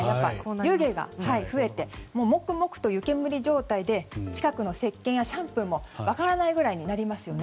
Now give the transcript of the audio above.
湯気が増えてもくもくと湯煙状態で近くのせっけんやシャンプーが分からないぐらいになりますよね。